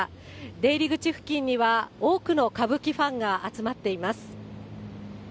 出入り口付近には多くの歌舞伎ファンが集まっています。